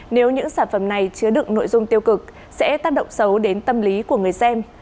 nếu những sản phẩm này chứa đựng nội dung tiêu cực sẽ tác động xấu đến tâm lý của người xem